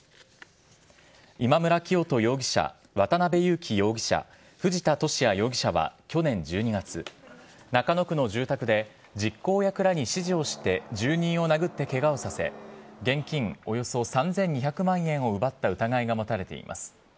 今村磨人容疑者、渡辺優樹容疑者、藤田聖也容疑者は去年１２月、中野区の住宅で実行役らに指示をして、住人を殴ってけがをさせ、現金およそ３２００万円を奪った疑いが持たれています。